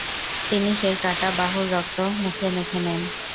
তিনি সেই কাঁটা বাহুর রক্ত মুখে মেখে নেন।